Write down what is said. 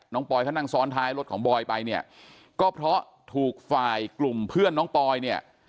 ปอยเขานั่งซ้อนท้ายรถของบอยไปเนี่ยก็เพราะถูกฝ่ายกลุ่มเพื่อนน้องปอยเนี่ย